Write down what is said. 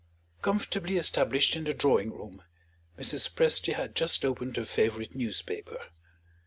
Comfortably established in the drawing room, Mrs. Presty had just opened her favorite newspaper.